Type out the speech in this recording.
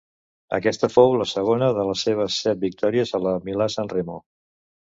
Aquesta fou la segona de les seves set victòries a la Milà-Sanremo.